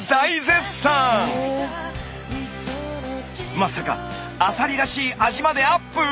まさかアサリらしい味までアップ！